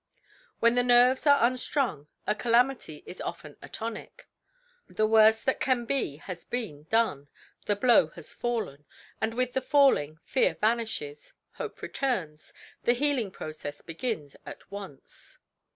When the nerves are unstrung a calamity is often a tonic. The worst that can be has been done, the blow has fallen, and with the falling fear vanishes, hope returns, the healing process begins at once.